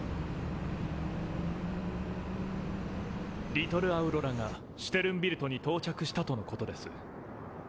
リトルアウロラがシュテルンビルトに到着したとのことです。